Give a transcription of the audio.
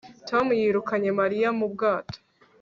Tom yirukanye Mariya mu bwato